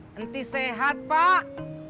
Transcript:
nanti sehat pak